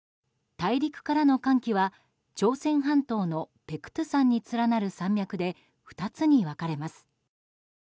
大陸からの寒気は朝鮮半島の白頭山に連なる山脈で２つに分かれます。